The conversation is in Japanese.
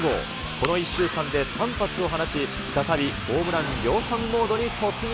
この１週間で３発を放ち、再びホームラン量産モードに突入。